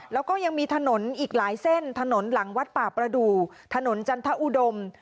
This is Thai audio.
แล้วก็ยังมีถนนอีกหลายเส้นถนนหลังวัดป่าประดูกถนนจันทอุดม